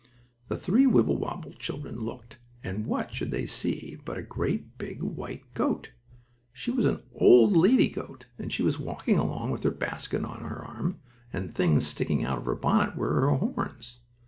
The three Wibblewobble children looked, and what should they see but a big white goat. She was an old lady goat, and she was walking along with her basket on her arm, and the things sticking out of her bonnet were her horns.